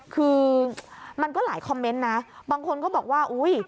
คือมันก็หลายคอมเมนต์นะบางคนก็บอกว่าอุ้ย